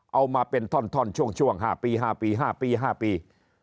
เอามาเป็นท่อนช่วง๕ปี๕ปี๕ปี๕ปี